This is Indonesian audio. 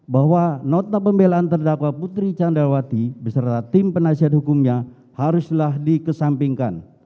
bahwa nota pembelaan terdakwa putri candrawati beserta tim penasihat hukumnya haruslah dikesampingkan